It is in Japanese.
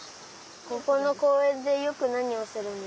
ここのこうえんでよくなにをするんですか？